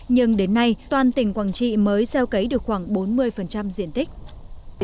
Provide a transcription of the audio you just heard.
nhưng đến nay toàn tỉnh quảng trị mới gieo cấy được khoảng bốn mươi diện tích